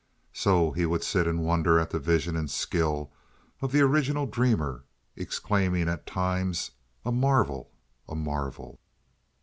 So he would sit and wonder at the vision and skill of the original dreamer, exclaiming at times: "A marvel! A marvel!"